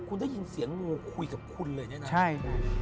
คุณได้ยินเสียงงูคุยกับคุณเลยใช่ไหม